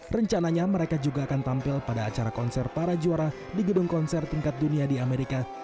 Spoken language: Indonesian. rencananya mereka juga akan tampil pada acara konser para juara di gedung konser tingkat dunia di amerika